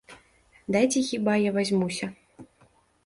Дайце хіба я вазьмуся.